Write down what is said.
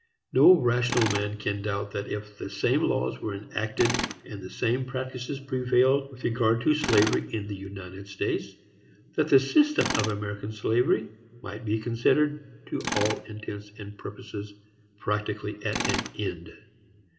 No rational man can doubt that if the same laws were enacted and the same practices prevailed with regard to slavery in the United States, that the system of American slavery might be considered, to all intents and purposes, practically at an end.